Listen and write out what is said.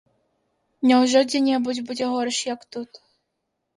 Няўжо дзе-небудзь будзе горш, як тут?